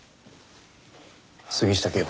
杉下警部